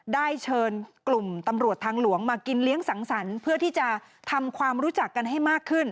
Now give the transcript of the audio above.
ได้เชิญกลุ่มตำรวจทางหลวงมากินเลี้ยงสังสรรค์เพื่อที่จะทำความรู้จักกันให้มากขึ้น